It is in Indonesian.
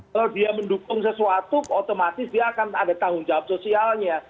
kalau dia mendukung sesuatu otomatis dia akan ada tanggung jawab sosialnya